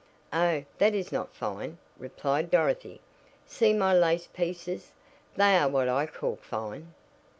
"Oh, that is not fine," replied Dorothy. "See my lace pieces. They are what I call fine."